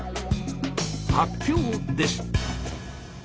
発表です！